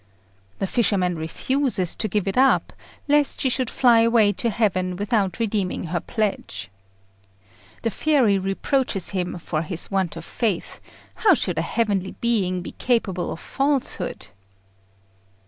The fisherman refuses to give it up, lest she should fly away to heaven without redeeming her pledge. The fairy reproaches him for his want of faith: how should a heavenly being be capable of falsehood?